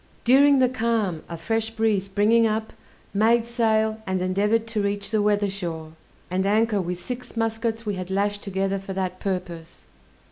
During the calm a fresh breeze springing up, made sail, and endeavored to reach the weather shore, and anchor with six muskets we had lashed together for that purpose.